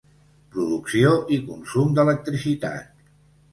Producció i consum d'electricitat.